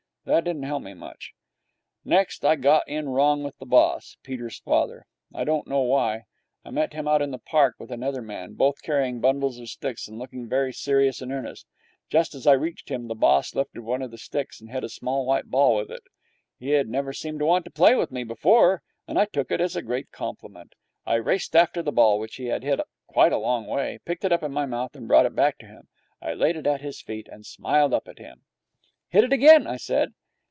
That didn't help me much. Next, I got in wrong with the boss, Peter's father. I don't know why. I met him out in the park with another man, both carrying bundles of sticks and looking very serious and earnest. Just as I reached him, the boss lifted one of the sticks and hit a small white ball with it. He had never seemed to want to play with me before, and I took it as a great compliment. I raced after the ball, which he had hit quite a long way, picked it up in my mouth, and brought it back to him. I laid it at his feet, and smiled up at him. 'Hit it again,' I said.